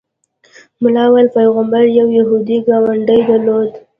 ملا ویل پیغمبر یو یهودي ګاونډی درلود.